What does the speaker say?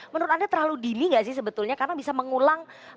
menurut anda terlalu dini gak sih sebetulnya karena bisa mengulang